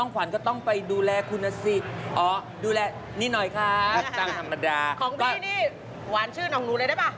ของบรินี่หวานชื่อน้องหนูเลยได้ป่ะ